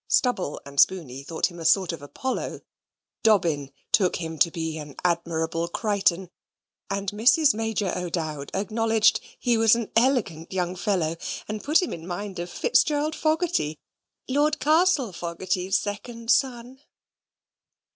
Stubble and Spooney thought him a sort of Apollo; Dobbin took him to be an Admirable Crichton; and Mrs. Major O'Dowd acknowledged he was an elegant young fellow, and put her in mind of Fitzjurld Fogarty, Lord Castlefogarty's second son.